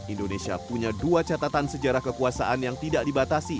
indonesia punya dua catatan sejarah kekuasaan yang tidak dibatasi